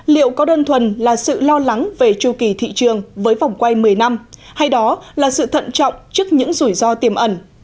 liệu có đơn thuần là sự lo lắng về tru kỳ thị trường với vòng quay một mươi năm hay đó là sự thận trọng trước những rủi ro tiềm ẩn